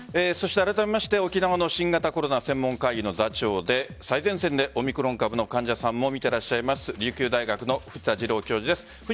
あらためまして沖縄の新型コロナ専門会議の座長で最前線でオミクロン株の患者さんを診ていらっしゃいます琉球大学の藤田次郎教授です。